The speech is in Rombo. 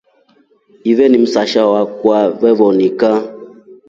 Ife ni msasha akwa wewonika.